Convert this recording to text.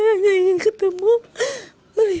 saya ingin ketemu mereka